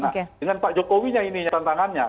nah dengan pak jokowinya ini tantangannya